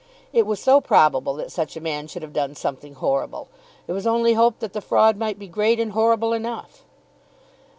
It was so probable that such a man should have done something horrible! It was only hoped that the fraud might be great and horrible enough.